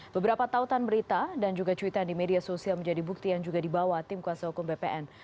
beberapa tautan berita dan juga cuitan di media sosial menjadi bukti yang juga dibawa tim kuasa hukum bpn